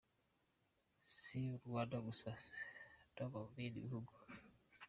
Si mu Rwanda gusa, no mu bindi bihugu.